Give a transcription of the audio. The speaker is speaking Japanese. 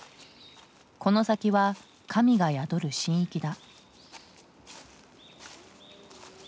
この先は神が宿る神域だ。